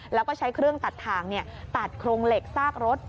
แล้วก็ใช้เครื่องตัดถ่างตัดโครงเหล็กซากรถ